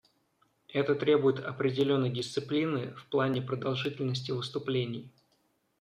Это требует определенной дисциплины в плане продолжительности выступлений.